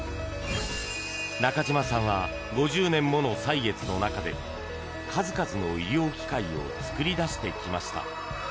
中島さんは５０年もの歳月の中で数々の医療器械を作り出してきました。